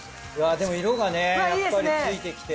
でも色がねやっぱりついてきて。